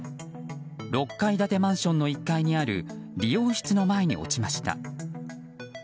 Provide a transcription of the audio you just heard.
６階建てマンションの１階にある理容室の前に落ちました。